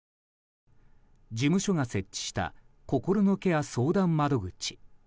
事務所が設置した心のケア相談窓口。